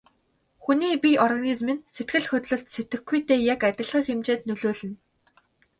Хүний бие организм нь сэтгэл хөдлөлд сэтгэхүйтэй яг адилхан хэмжээнд нөлөөлнө.